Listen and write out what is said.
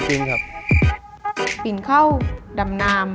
เอิ่ม